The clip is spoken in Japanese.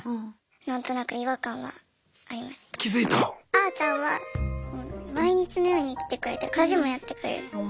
あーちゃんは毎日のように来てくれて家事もやってくれる。